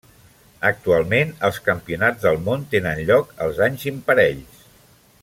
Actualment els Campionats del món tenen lloc els anys imparells.